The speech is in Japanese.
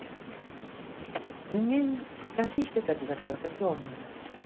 人間らしい人たちだと私は思います。